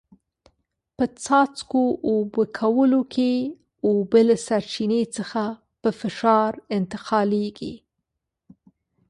په څاڅکو اوبه کولو کې اوبه له سرچینې څخه په فشار انتقالېږي.